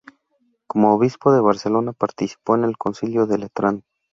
Como obispo de Barcelona participó en el Concilio de Letrán.